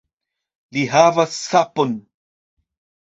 Li havas sapon!